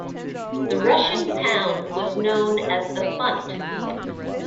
The Russian pound was known as the funt.